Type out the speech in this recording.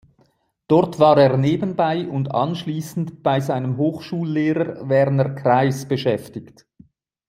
Dort war er nebenbei und anschliessend bei seinem Hochschullehrer Werner Kreis beschäftigt.